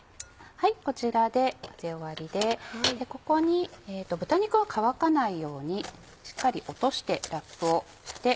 こちらで混ぜ終わりでここに豚肉が乾かないようにしっかり落としてラップをして。